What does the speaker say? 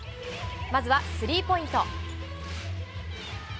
まずはスリーポイント。